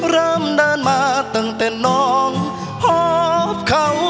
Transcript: เริ่มเดินมาตั้งแต่น้องพบเขา